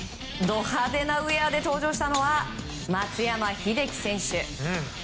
ド派手なウェアで登場したのは松山英樹選手。